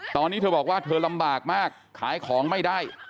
ตอนนี้เธอบอกว่าเธอลำบากมากขายของไม่ได้